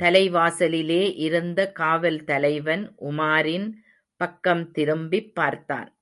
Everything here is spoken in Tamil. தலைவாசலிலே இருந்த காவல் தலைவன் உமாரின் பக்கம் திரும்பிப் பார்த்தான்.